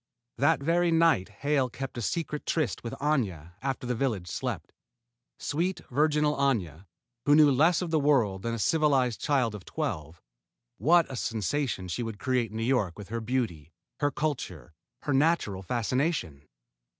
That very night Hale kept a secret tryst with Aña after the village slept. Sweet, virginal Aña, who knew less of the world than a civilized child of twelve what a sensation she would create in New York with her beauty, her culture, her natural fascination!